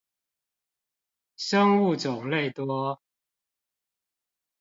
生物種類多